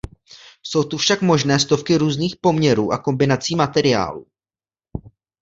Jsou tu však možné stovky různých poměrů a kombinací materiálů.